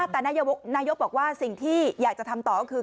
แต่นายกบอกว่าสิ่งที่อยากจะทำต่อก็คือ